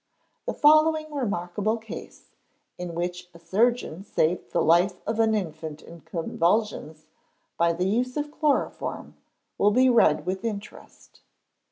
The following remarkable case, in which a surgeon saved the life of an infant in convulsions, by the use of chloroform, will be read with interest.